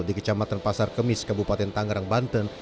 di kecamatan pasar kemis kabupaten tangerang banten